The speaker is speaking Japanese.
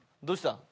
どうした？